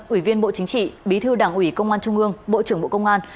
ủy viên bộ chính trị bí thư đảng ủy công an trung ương bộ trưởng bộ công an